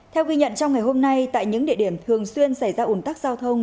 theo ghi nhận trong ngày hôm nay tại những địa điểm thường xuyên xảy ra ủn tắc giao thông